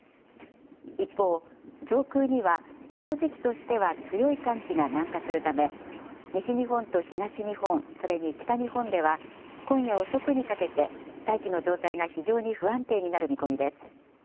一方、上空にはこの時期としては強い寒気が南下するため、西日本と東日本、それに北日本では、今夜遅くにかけて大気の状態が非常に不安定になる見込みです。